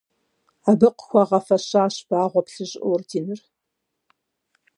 Абы къыхуагъэфэщащ Вагъуэ Плъыжь орденыр.